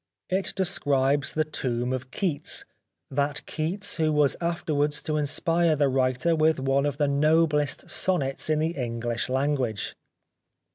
It describes the Tomb of Keats, that Keats who was after wards to inspire the writer with one of the noblest sonnets in the EngUsh language.